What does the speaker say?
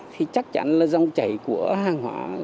thì chắc chắn là dòng chảy của hàng hóa